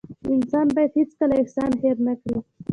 انسان بايد هيڅکله احسان هېر نه کړي .